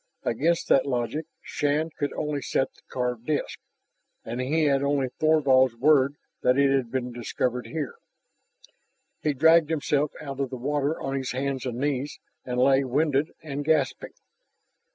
Against that logic Shann could only set the carved disk, and he had only Thorvald's word that that had been discovered here. He dragged himself out of the water on his hands and knees and lay, winded and gasping.